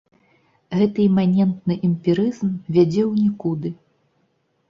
Гэты іманентны эмпірызм вядзе ў нікуды.